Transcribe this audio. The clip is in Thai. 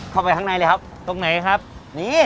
หอมต้องกินจากน้ำตาลแห่งโรคแล้ว